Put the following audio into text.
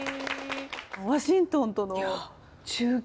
ワシントンとの中継。